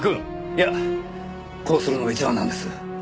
いやこうするのが一番なんです。